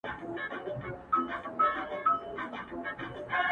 ستا په باڼو كي چي مي زړه له ډيره وخت بنـد دی.